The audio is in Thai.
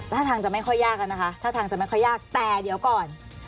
ถ้าทางจะไม่ค่อยยากละนะคะแต่เดี๋ยวก่อน